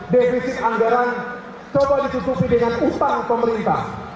defisit anggaran coba disusupi dengan hutang pemerintah